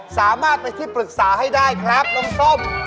สามารถเป็นที่ปรึกษาให้ได้ครับน้องส้ม